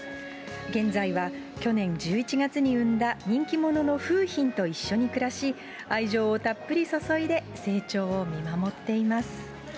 現在は、去年１１月に産んだ人気者の楓浜と一緒に暮らし、愛情をたっぷり注いで成長を見守っています。